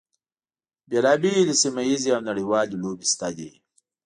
بیلا بېلې سیمه ییزې او نړیوالې لوبې شته دي.